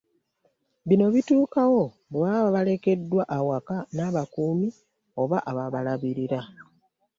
Bino bituukawo bwe baba balekeddwa awaka n'abakuumi oba ababalabirira.